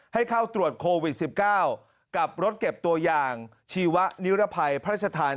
ให้เข้าตรวจโควิด๑๙กับรถเก็บตัวอย่างชีวะนิรภัยพระราชทาน